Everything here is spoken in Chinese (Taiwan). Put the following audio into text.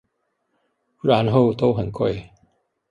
然後都很貴！